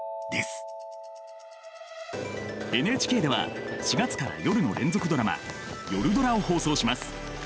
ＮＨＫでは４月から夜の連続ドラマ「夜ドラ」を放送します。